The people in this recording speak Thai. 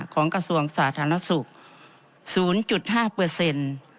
ของกระทรวงสาธารณสุขศูนย์จุดห้าเปอร์เซ็นต์